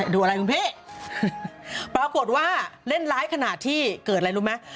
ดูอะไรคุณพี่ปรากฏว่าเล่นร้ายขนาดที่เกิดอะไรรู้ไหม